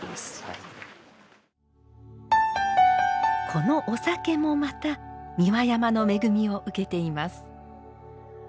このお酒もまた三輪山の恵みを受けています。